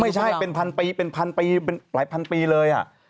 ไม่ใช่เป็นพันปีเป็นพันปีเป็นหลายพันปีเลย